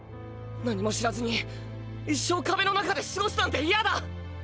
何も知らずに一生壁の中で過ごすなんて嫌だ！！